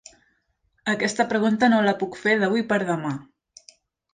Aquesta pregunta no la puc fer d'avui per demà.